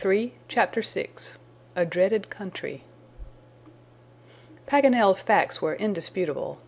'" CHAPTER VI A DREADED COUNTRY PAGANEL'S facts were indisputable.